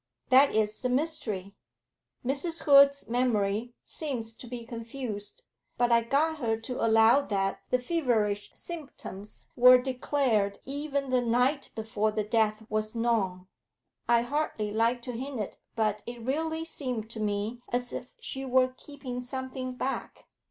'That is the mystery. Mrs. Hood's memory seems to be confused, but I got her to allow that the feverish symptoms were declared even the night before the death was known. I hardly like to hint it, but it really seemed to me as if she were keeping something back.